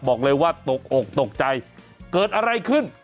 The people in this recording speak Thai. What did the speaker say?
บอกเลยว่าตกอกตกใจเกิดอะไรขึ้น